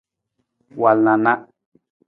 Wal na a na.